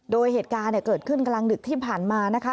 โดยเหตุการณ์เกิดขึ้นกลางดึกที่ผ่านมานะคะ